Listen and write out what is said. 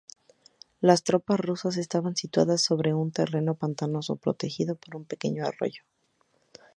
Las tropas rusas estaban situadas sobre un terreno pantanoso protegido por un pequeño arroyo.